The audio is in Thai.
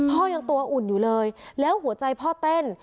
ยังตัวอุ่นอยู่เลยแล้วหัวใจพ่อเต้น